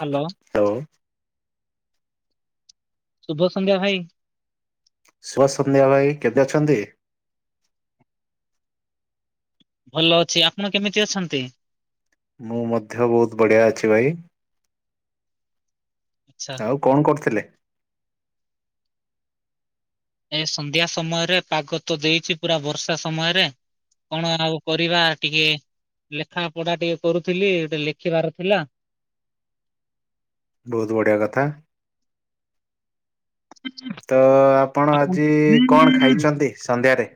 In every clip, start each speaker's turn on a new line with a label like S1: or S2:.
S1: Hello
S2: ହଉ।
S1: ଶୁଭ ସଂଧ୍ୟା ଭାଇ।
S2: ଶୁଭ ସଧ୍ୟା ଭାଇ କେନ୍ତି ଅଛନ୍ତି?
S1: ଭଲ ଅଛି ଆପଣ କେମିତି ଅଛନ୍ତି?
S2: ମୁଁ ମଧ୍ୟ ବହୁତ ବଢିଆ ଅଛି ଭାଇ।
S1: ଆଚ୍ଛା
S2: ଆଉ କଣ କରୁଥିଲେ?
S1: ଏ ସନ୍ଧ୍ୟା ସମୟରେ ପାଗ ତ ଦେଇଛି ପୁରା ବର୍ଷା ସମୟରେ। କଣ ଆଉ କରିବା ଟିକେ ଲେଖା ପଢା ଟିକେ କରୁଥିଲି ଗୋଟେ ଲେଖିବାର ଥିଲା।
S2: ବହୁତ ବଢିଆ କଥା। ତ ଆପଣ ଆଜି କଣ ଖାଇଛନ୍ତି ସନ୍ଧ୍ୟାରେ?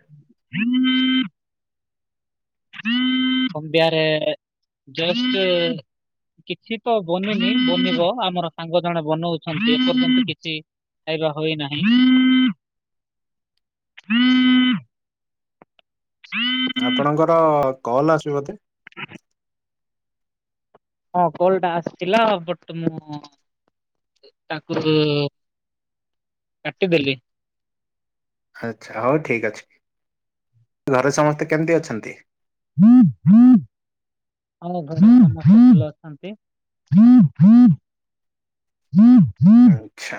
S1: ସଧ୍ୟାରେ ଜଷ୍ଟ କିଛି ତ ବନିନି ବନିବ ଆମର ସାଙ୍ଗ ଜଣେ ବନଉଛନ୍ତି ଏପର୍ଯ୍ୟନ୍ତ କିଛି ଖାଇବା ହୋଇନାହିଁ। ହଁ ହ
S2: ଆପଣଙ୍କର କଲ ଆସୁଚି ବୋଧେ!
S1: ହଁ କଲଟା ଆସିଥିଲା ବଟ ମୁଁ ତାକୁ କାଟିଦେଲି।
S2: ଆଛା ହଉ ଠିକ ଅଛି, ଘରେ ସମସ୍ତେ କେମିତି ଅଛନ୍ତି?
S1: ହ ହ୍ ଆଉ ଘରେ ସମସ୍ତେ ଭଲ ଅଛନ୍ତି। ଲିପ୍ ଲିପ୍
S2: ଆଚ୍ଛା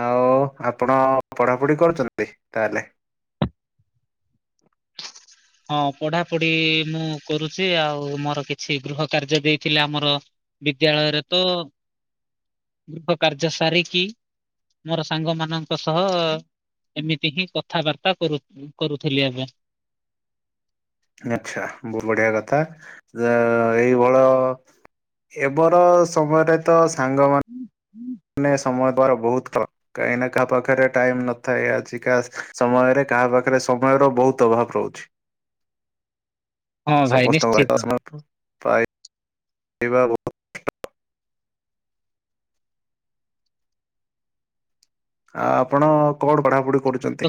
S2: ଆଉ ଆପଣ ପଢାପଢି କରୁଛନ୍ତି ତାହେଲେ?
S1: ହଁ ପଢାପଢି ମୁଁ କରୁଛି ଆଉ ମୋର କିଛି ଗୃହ କାର୍ଯ୍ୟ ଦେଇଥିଲେ ଆମର ବିଦ୍ୟାଳୟରେ ତ ଗୃହ କାର୍ଯ୍ୟ ସାରିକି ମୋର ସାଙ୍ଗ ମାନଙ୍କ ସହ ଏମିତି ହିଁ କଥାବାର୍ତ୍ତା କରୁ କରୁଥିଲି ଆଜ୍ଞା।
S2: ଆଛା ବହୁତ ବଢିଆ କଥା ଅ ଏଇଭଳ ଏବର ସମୟରେ ତ ସାଙ୍ଗମାନ୍ ନେ ସମୟ ଦ୍ଵାରା ବହୁତ କ କାହିଁ ନା କାହା ପାଖରେ ଟାଇମ ନଥାଏ ଆଜିକା ସମୟରେ କାହା ପାଖରେ ସମୟର ବହୁତ ଅଭାବ ରହୁଛି।
S1: ହଁ ଭାଇ
S2: ସମସ୍ତଙ୍କ
S1: ନିଶ୍ଚିତ।
S2: ସେଇବା ବହୁତ ଆ ଆପଣ କଣ ପଢାପଢି
S1: ତ
S2: କରୁଛନ୍ତି?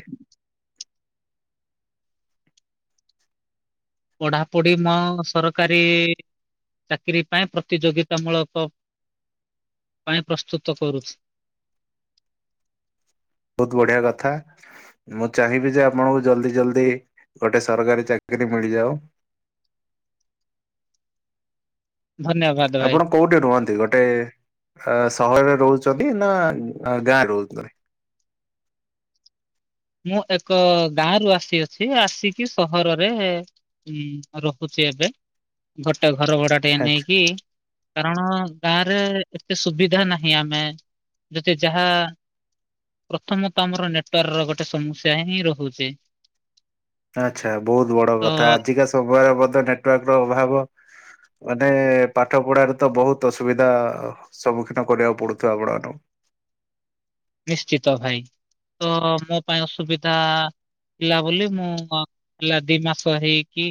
S1: ପଢାପଢି ମୋ ସରକାରୀ ଚାକିରୀ ପାଇଁ ପ୍ରତିଯୋଗିତା ମୂଳକ ପାଇଁ ପ୍ରସ୍ତୁତ କରୁଛି।
S2: ବହୁତ ବଢିଆ କଥା। ମୁଁ ଚାହିଁବି ଯେ ଆପଣଙ୍କୁ ଜଲଦି ଜଲଦି ଗୋଟେ ସରକାରୀ ଚାକିରୀ ମିଳି ଯାଉ।
S1: [unintelligible] ଧନ୍ୟବାଦ ଭାଇ।
S2: ଆପଣ କୋଉଠି ରୁହନ୍ତି? ଗୋଟେ ଅ ସହରରେ ରହୁଛନ୍ତି ନା ଗାଁରେ ରହୁଛନ୍ତି?
S1: [unintelligible] ମୁଁ ଏକ ଗାଁରୁ ଆସିଅଛି ଆସିକି ସହରରେ ହୁଁ ଅ ରଖିଚି ଏବେ ଗୋଟେ ଘର ଭଡା ଟିକେ ନେଇକି କାରଣ ଗାଁ ରେ ଏତେ ସୁବିଧା ନାହିଁ ଆମେ ଯଦି ଯାହା ପ୍ରଥମତଃ ଆମର ନେଟୱାର୍ର ଗୋଟେ ତ ସମସ୍ୟା ହିଁ ରହୁଛି।
S2: ଆଛା ବହୁତ ବଡ
S1: ତ
S2: କଥା ଆଜିକା ସମୟରେ ବୋଧେ ନେଟୱାର୍କ ର ଅଭାବ। ମାନେ ପାଠ ପଢାରେ ତ ବହୁତ ଅସୁବିଧା ସମ୍ମୁଖୀନ କରିବାକୁ ପଡୁଥିବ ଆପଣ ମାନଙ୍କୁ।
S1: ନିଶ୍ଚିତ ଭାଇ ତ ମୋ ପାଇଁ ଅସୁବିଧା ଥିଲା ବୋଲି ମୁଁ ଅଁ ହେଲା ଦି ମାସ ହେଇକି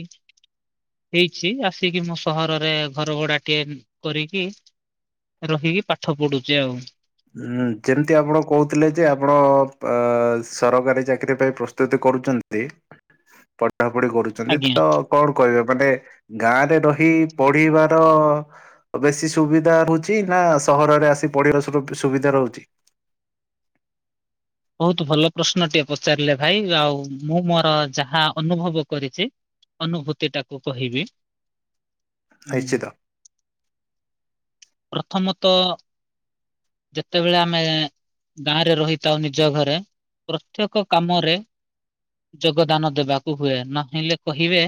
S1: ହେଇଛି ଆସିକି ମୁଁ ସହରରେ ଘର ଭଡା ଟିଏ କରିକି ରହିିକି ପାଠ ପଡୁଚି ଆଉ।
S2: ହୁଁ ଯେମତି ଆପଣ କହୁଥିଲେ ଯେ ଆପଣ ପା ସରକାରୀ ଚାକିରୀ ପାଇଁ ପ୍ରସ୍ତୁତ କରୁଛନ୍ତି ପଢାପଢି କରୁଛନ୍ତି
S1: ଆଜ୍ଞା।
S2: ତ କଣ କହିବେ? ମାନେ ଗାଁରେ ରହି ପଢିବାର ବେସି ସୁବିଧା ରହୁଛି ନା ସହରରେ ଆସି ପଢିବା [unintelligible] ସୁବିଧା ରହୁଚି।
S1: ବହୁତ ଭଲ ପ୍ରଶ୍ନଟିଏ ପଚାରିଲେ ଭାଇ ଆଉ ମୁଁ ମୋର ଯାହା ଅନୁଭବ କରିଚି ଅନୁଭୂତିଟାକୁ କହିବି। ଉଁ,
S2: ଆଇଶ୍ଚିଦ।
S1: ପ୍ରଥମତଃ ଯେତେବେଳେ ଆମେ ଗାଁରେ ରହିଥାଉ ନିଜ ଘରେ ପ୍ରତ୍ୟେକ କାମରେ ଯୋଗଦାନ ଦେବାକୁ ହୁଏ ନଦେଲେ କହିବେ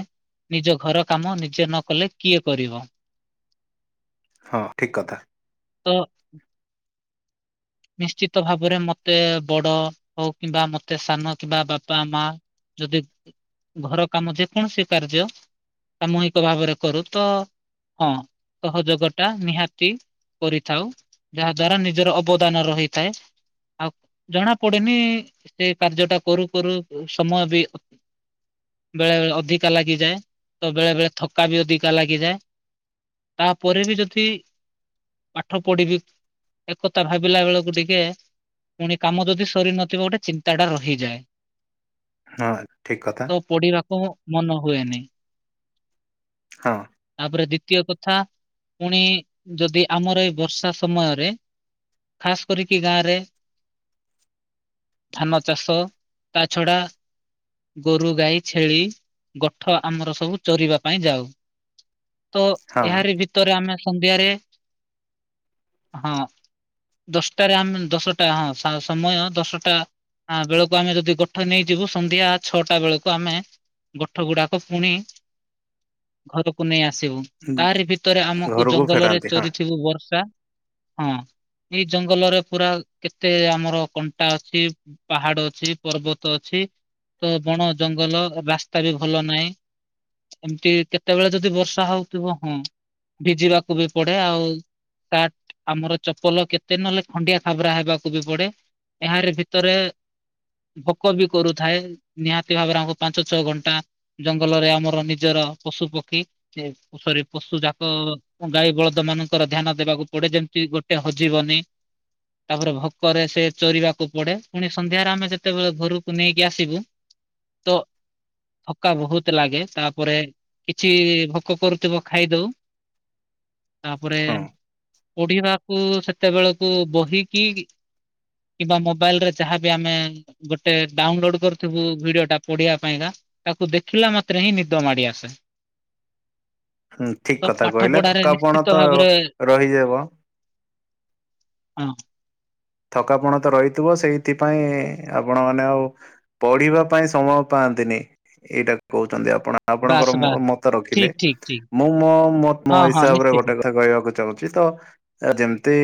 S1: ନିଜ ଘର କାମ ନିଜେ ନକଲେ କିଏ କରିବ?
S2: ହଁ ଠିକ କଥା।
S1: ତ୍ ନିଶ୍ଚିତ ଭାବରେ ମତେ ବଡ ହଉ କିମ୍ବା ମତେ ସାନ କିମ୍ବା ବାପା ମା ଯଦି ଘର କାମ ଯେକୌଣସି ସାମୁହିକ ଭାବରେ କରୁ ତ ହଁ ସହଯୋଗ ଟା ନିହାତି କରିଥାଉ ଯାହା ଦ୍ଵାରା ନିଜର ଅବଦାନ ରହିଥାଏ। ଆଉ ଜଣା ପଡେନି ସେ କାର୍ଯ୍ୟ ଟା କରୁ କରୁ ସମୟ ବି ଅ ବେଳେ ବେଳେ ଅଧିକା ଲାଗିଯାଏ ତ ବେଳେ ବେଳେ ଥକା ବି ଅଧିକା ଲାଗିଯାଏ। ତାପରେ ବି ଯଦି ପାଠ ପଢିବି ଏକ ତା ଭାବିଲା ବେଳକୁ ଟିକେ ପୁଣି କାମ ଯଦି ସରିନଥିବ ଗୋଟେ ଚିନ୍ତାଟା ରହିଯାଏ।
S2: ହଁ ଠିକ୍
S1: ତ
S2: କଥା।
S1: ପଢିବାକୁ ମନ ହୁଏନି
S2: ହଁ
S1: ତାପରେ ଦି ଦ୍ଵିତୀୟ କଥା ପୁଣି ଯଦି ଆମର ଏଇ ବର୍ଷା ସମୟରେ ଖାସ୍ କରିକି ଗାଁ ରେ ଧାନ ଚାଷ ତା ଛଡ଼ା ଗୋରୁ ଗାଈ ଛେଳି ଗୋଠ ଆମର ସବୁ ଚରିବା ପାଇଁ ଯାଉ। ତ
S2: ହଁ।
S1: ଏହାରି ଭିତରେ ଆମେ ସନ୍ଧ୍ୟାରେ ହଁ। ଦଶଟାରେ ଆଇମିନ୍ ଦଶଟା ହଁ ସା ସମୟ ଦଶଟା ହଁ ବେଳକୁ ଆମେ ଯଦି ଗୋଠ ନେଇଯିବୁ ସନ୍ଧ୍ୟା ଛଅଟା ବେଳକୁ ଆମେ ଗୋଠ ଗୁଡାକ ପୁଣି ଘରକୁ ନେଇ ଆ ଆସିବୁ ତାରି ଭିତରେ ଆମକୁ
S2: ଘରକୁ
S1: ଜଙ୍ଗଲରେ
S2: ଫେରାନ୍ତି ହଁ
S1: ଚରିଥିବୁ ବର୍ଷା ହଁ। ଏଇ ଜଙ୍ଗଲରେ ପୁରା କେତେ ଆମର କଣ୍ଟା ଅଛି ପାହାଡ ଅଛି ପର୍ବତ ଅଛି। ତ ବଣ ଜଙ୍ଗଲ ରାସ୍ତା ବି ଭଲ ନାହିଁ। ଏମିତି କେତେବେଳେ ଯଦି ବର୍ଷା ହଉଥିବ ହଁ। ଭିଜିବାକୁ ବି ପଡେ ଆଉ ତାଟ ଆମର ଚ ପଲ କେତେ ନହେଲେ ଖଣ୍ଡିଆ ଖାବରା ହେବାକୁ ବି ପଡେ ଏହାରି ଭିତରେ ଭୋକ ବି କରୁଥାଏ ନିହାତି ଭାବରେ ଆମକୁ ପାଞ୍ଚ ଛଅ ଘଣ୍ଟା ଜଙ୍ଗଲରେ ଆମର ନିଜର ତ ପଶୁ ପକ୍ଷୀ କି ସରି ପଶୁ ଯାକ ଗାଈ ବଳଦ ମାନଙ୍କର ଧ୍ୟାନ ଦେବାକୁ ପଡେ ଯେମିତି ଗୋ କିଏ ହଜିବନି। ତା ପରେ ଭୋକରେ ସେ ଚରିବାକୁ ପଡେ ପୁଣି ସନ୍ଧ୍ୟାରେ ଆମେ ଯେତେବେଳେ ଘରକୁ ନେଇକି ଆସିବୁ ତ ଥକା ବହୁତ ଲାଗେ ତା ପରେ କିଛି ଭୋକ କରୁଥିବ ଖାଇଦଉ। ତା ପରେ
S2: ହଁ
S1: ଓଡ଼ିଶା କୁ ସେତେବେଳକୁ ବହି କିକ୍ କିମ୍ବା ମୋବାଇଲ୍ ରେ ଯାହାବି ଆମେ ଉଁ ଗୋଟେ ଡାଉନ୍ ଲୋଡ୍ କରୁଥିବୁ ଭିଡିଓ ଟା ପଢିବା ପାଇଁକା। ତାକୁ ଦେଖିଲା ମାତ୍ରେ ହିଁ ନିଦ ମାଡି ଆସେ।
S2: ହୁଁ ଠିକ୍
S1: ତ
S2: କଥା
S1: ପାଠ
S2: କହିଲେ
S1: ପଢାରେ ନିଶ୍ଚିତ
S2: ଥକାପଣ ତ
S1: ଭାବରେ
S2: ରହିଯିବ।
S1: ହଁ।
S2: ଥକାପଣ ତ ରହିଥିବ ସେଇଥିପାଇଁ ଆପଣ ମାନେ ଆଉ ପଢିବା ପାଇଁ ସମୟ ପା ପାନ୍ତିନି ଏଇଟା କହୁଛନ୍ତି ଆ ଆପଣ ଆପଣଙ୍କର
S1: ବାସ୍
S2: ମ
S1: ବାସ୍
S2: ମତ ରଖିଲେ
S1: ଠିକ ଠିକ ଠିକ
S2: ମୁଁ ମୋ ମୋ
S1: ହଁ ହଁ
S2: ହିସାବରେ
S1: ନିଶ୍ଚିତ
S2: ଗୋଟେ କଥା କହିବାକୁ ଚାହୁଁ ଛି ତ ଏ ଯେମିତି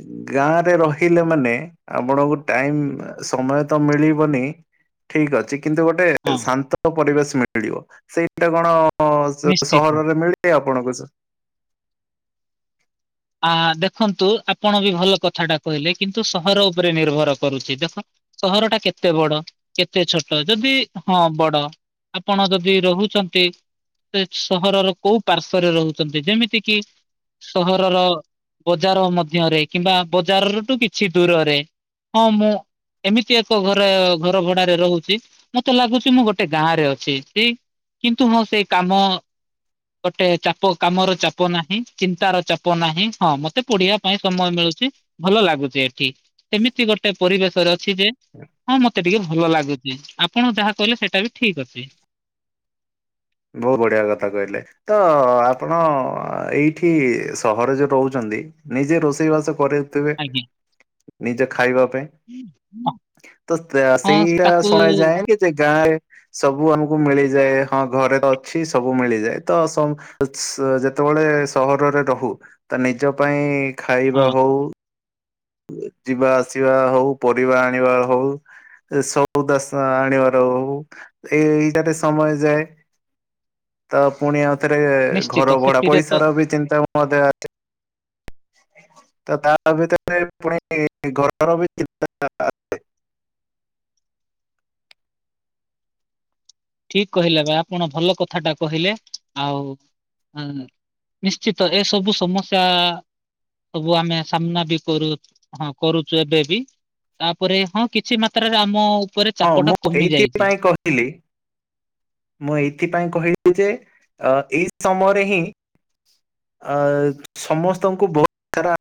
S2: ଉଁ ଗାଁ ରେ ରହିଲେ ମାନେ ଆପଣଙ୍କୁ ଟାଇମ୍ ଆ ସମୟ ତ ମିଳିବନି ଠିକ୍ ଅଛି କିନ୍ତୁ ଗୋଟେ
S1: ହଁ
S2: ଶାନ୍ତ ପରିବେଶ ମିଳିବ ସେଇଟା କଣ ହଁ ସ
S1: ନିଶ୍ଚିତ।
S2: ସହରରେ ମିଳିବ ଆପଣଙ୍କୁ ସାର୍
S1: ଆ ଦେଖନ୍ତୁ ଆପଣ ବି ଭଲ କଥାଟା କହିଲେ କିନ୍ତୁ ସହର ଉପରେ ନିର୍ଭର କରୁଛି ଦେଖ ସହର ଟା କେତେ ବଡ କେତେ ଛୋଟ ଯଦି ହଁ ବଡ। ଆପଣ ଯଦି ରହୁଛନ୍ତି ସେ ସହରର କୋଉ ପାର୍ଶ୍ଵରେ ରହୁଛନ୍ତି ଯେମିତି କିି ସହ ରର ବଜାର ମଧ୍ୟରେ କିମ୍ବା ବଜାରରୁ ଠୁ କିଛି ଦୂରରେ? ହଁ ମୁଁ ଏମିତି ଏକ ଘରେ ଘର ଭଡାରେ ରହୁଛି ମତେ ଲାଗୁଛି ମୁଁ ଗୋଟେ ଗାଁ ରେ ଅଛି କି। କିନ୍ତୁ ହଁ ସେଇ କାମ ଗୋଟେ ଚାପ କାମର ଚାପ ନାହିଁ ଚିନ୍ତାର ଚା ପ ନାହିଁ ହଁ ମତେ ପଢିବା ପାଇଁ ସମୟ ମିଳୁଛି ଭଲ ଲାଗୁଚି ଏଠି। ଏମିତି ଗୋଟେ ପରିବେଶରେ ଅଛି ଯେ ହଁ ମତେ ଟିକେ ଭଲ ଲାଗୁଚି ଆପଣ ଯାହା କହିଲେ ସେଟା ବି ଠିକ ଅଛି।
S2: ବୋହୁତ ବଢିଆ କଥା କହିଲେ ତ ଆପଣ ଏଇଠି ସହରେ ଯେହେତୁ ରହୁଚନ୍ ନ୍ତି ନିଜେ ରୋଷେଇ ବାସ କରିଥିବେ
S1: ଆଜ୍ଞା।
S2: ନିଜେ ଖାଇବା ପାଇଁ? ତ ତା
S1: ହଁ
S2: ସେଇଟା
S1: ତାକୁ
S2: ଶୁଣଯାଏ କି ଯେ ଗାଁରେ ସବୁ ଆମୁକୁ ମିଳିଯାଏ ହଁ ଘରେ ଅଛି ସବୁ ମିଳିଯାଏ ତ ସ ଅସ୍ ଯେତେବେଳେ ସହରରେ ରହୁ ତ ନିଜ ପା ପାଇଁ
S1: ହଁ
S2: ଖାଇବା ହୋଉ ଏ ଯିବା ଆସିବା ହୋଉ ପରିବା ଆଣିବା ହୋଉ ଏ ସୋଉଦା ସ୍ ଆଣିବାର ହୋଉ ଏ ଏଇଟାରେ ସମୟ ଯାଏ। ତ ପୁଣି ଆଉଥରେ
S1: ନିଶ୍ଚିତ
S2: ଘର ଭଡା
S1: ସେଥିରେ ତ
S2: ପଇସାର ବି ଚିନ୍ତା ମଧ୍ୟ ଆ ତ ତା ଭିତରେ ପୁଣି ଘରର ବି ଚିନ୍ତା
S1: [inaudible] ଠିକ କହିଲେ ଭାଇ ଆପଣ ଭଲ କଥାଟା କହିଲେ ଆଉ ଆଁ ନିଶ୍ଚିତ ଏ ସବୁ ସମସ୍ୟା ସବୁ ଆମେ ସାମ୍ନା ବି କରୁ ହଁ କରୁଚୁ ଏବେ ବି। ତାପରେ ହଁ କିଛି ମାତ୍ରାରେ ଆମ ଉପରେ
S2: ହଁ
S1: ଚାପଟା
S2: ମୁଁ
S1: କମି ଯାଇଛି।
S2: ଏଇଥିପାଇଁ କହିଲି ମୁଁ ଏଇଥିପାଇଁ କହିଲି ଯେ ଅ ଏଇ ସମୟରେ ହିଁ ଅ ସମସ୍ତଙ୍କୁ ବୋହୁତ ସାରା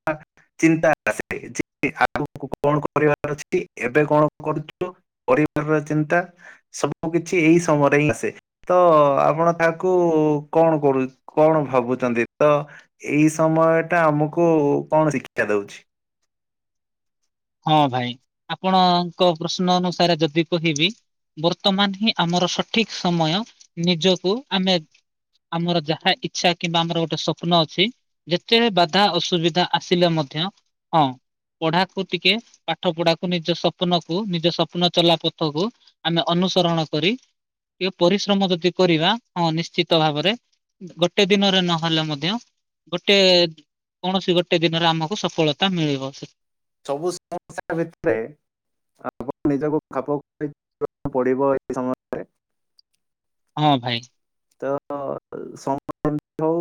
S2: ଚିନ୍ତା ଆସେ ଯେ ଆଗକୁ କଣ କରିବାର ଅଛି ଏବେ କଣ କରୁଚୁ ପରିବାରର ଚିନ୍ତା ସବୁକିଛି ଏଇ ସମୟରେ ହିଁ ଆସେ ତ ଆପଣ ତାହାକୁ ଉ କଣ କରୁ କଣ ଭାବୁଚନ୍ତି ତ ଏଇ ସମୟଟା ଆମକୁ କଣ ଶିକ୍ଷା ଦୋଉଛି।
S1: ହଁ ଭାଇ ଆପଣଙ୍କ ପ୍ରଶ୍ନ ଅନୁସାରେ ଯଦି କହିବି ବର୍ତ୍ତମାନ ହିଁ ଆମ ଆର ସଠିକ ସମୟ ନିଜକୁ ଆମେ ଆମର ଯାହା ଇଚ୍ଛା କିମ୍ବା ଆମର ଗୋଟେ ସ୍ୱପ୍ନ ଅଛି ଯେତେବି ବାଧା ଅସୁବିଧା ଆସିଲେ ମ ଧ୍ୟ ହଁ ପଢା ଟିକେ ପାଠପଢାକୁ ନିଜ ସ୍ୱପ୍ନକୁୁ ନିଜ ସ୍ୱପ୍ନ ଚଲା ପଥକୁ ଆମେ ଅନୁସରଣ କ କରି ଟିକେ ପରିଶ୍ରମ ଯଦି କରିବା ହଁ ନିଶ୍ଚିତ ଭାବରେ ଗୋଟେ ଦିନରେ ନହେଲେ ମଧ୍ୟ ଗୋଟେ କୌଣସି ଗୋଟେ ଦିନରେ ଆମକୁ ସଫଳତା ମିଳିବ ସେ
S2: ସବୁ ସମସ୍ୟା ଭିତରେ ଆପଣ ନିଜକୁ ଖାପଖୁଏଇ [unintelligible] ପଡିବ ଏଇ ସମୟରେ।
S1: ହଁ ଭାଇ।
S2: ତଅ ଉ ସମୟ [inaudible] ହୋଉ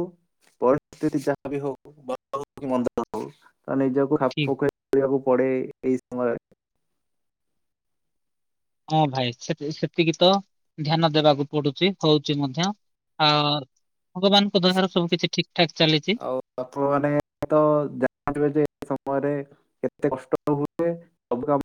S2: ପରିସ୍ତିତି ଯାହା ବି ହୋଉ ଭଲ ହୋଉ କି ମନ୍ଦ ହୋଉ ତ ନିଜକୁ ଖାପ
S1: ଠିକ
S2: ଖୋଇବାକୁ ପଡେ ଏଇ ସମୟରେ।
S1: ହଁ ଭାଇ ସେତ ସେତିକି ତ ଧ୍ୟାନ ଦେବାକୁ ପଡୁଚି ହୋଉଚି ମଧ୍ୟ। ଆଉ ଭଗବାନଙ୍କ ଦୟାରୁ ସବୁ କିଛି ଠିକ୍ ଠାକ୍ ଚାଲିଚି।
S2: ଆଉ ଆପଣମାନେ ପରେ କେତେ କଷ୍ଟ ହୁଏ ସବୁ କାମ